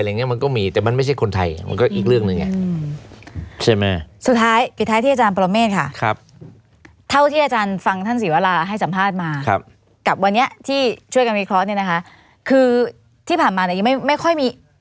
ด้วยกันทีเคราะห์เนี่ยนะคะคือที่ผ่านมาไม่ค่อยมี